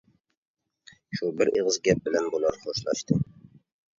شۇ بىر ئېغىز گەپ بىلەن بۇلار خوشلاشتى.